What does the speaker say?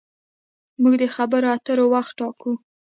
موږ د خبرو اترو وخت ټاکو.